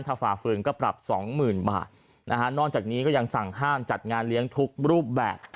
ถ้าฝ่าฝืนก็ปรับสองหมื่นบาทนะฮะนอกจากนี้ก็ยังสั่งห้ามจัดงานเลี้ยงทุกรูปแบบ